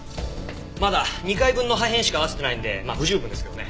まだ２回分の破片しか合わせてないんでまあ不十分ですけどね。